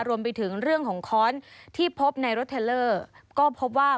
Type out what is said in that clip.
รวมไปถึงเรื่องของค้อนที่พบในรถเทลเลอร์ก็พบว่า